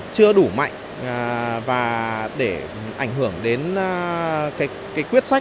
chưa đủ mạnh để ảnh hưởng đến quyết sách